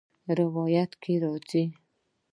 روايت کي راځي :